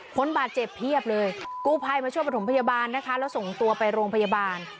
คนบาดเจ็บเพียบเลยกู้ภัยมาช่วยประถมพยาบาลนะคะแล้วส่งตัวไปโรงพยาบาล